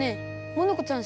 モノコちゃん